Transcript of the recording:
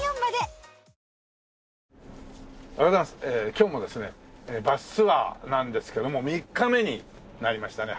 今日もですねバスツアーなんですけども３日目になりましたね。